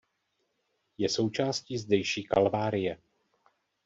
Je součástí zdejší kalvárie.